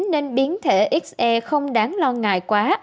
nên biến thể xe không đáng lo ngại quá